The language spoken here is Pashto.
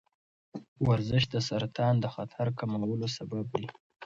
ورزش د سرطان د خطر کمولو سبب دی.